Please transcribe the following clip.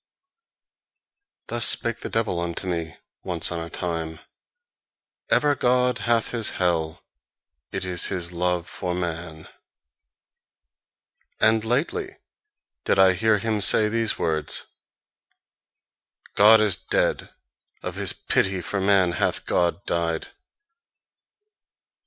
Thus spake the devil unto me, once on a time: "Even God hath his hell: it is his love for man." And lately did I hear him say these words: "God is dead: of his pity for man hath God died."